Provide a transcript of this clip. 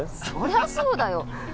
そりゃそうだよ